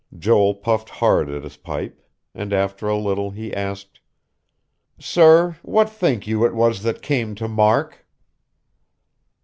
Joel puffed hard at his pipe; and after a little he asked: "Sir, what think you it was that came to Mark?"